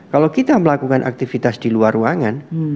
kalau kita melakukan aktivitas di luar ruangan